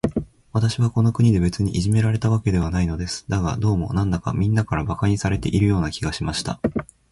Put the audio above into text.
私はこの国で、別にいじめられたわけではないのです。だが、どうも、なんだか、みんなから馬鹿にされているような気がしました。